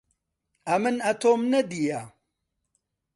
ئەمن ئەتۆم نەدییە